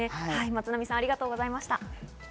松並さん、ありがとうございました。